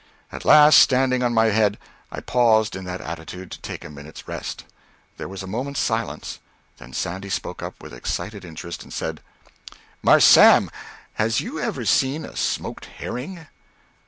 At last, standing on my head, I paused in that attitude to take a minute's rest. There was a moment's silence, then Sandy spoke up with excited interest and said "Marse Sam, has you ever seen a smoked herring?"